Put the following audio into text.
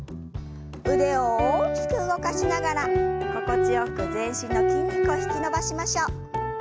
腕を大きく動かしながら心地よく全身の筋肉を引き伸ばしましょう。